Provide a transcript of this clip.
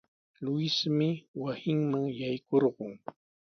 Luismi wasinman yaykurqun.